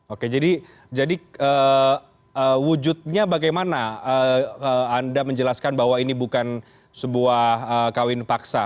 oke jadi wujudnya bagaimana anda menjelaskan bahwa ini bukan sebuah kawin paksa